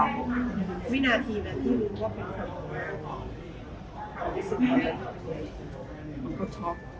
วินาทีน่ะที่รู้ว่าเป็นใคร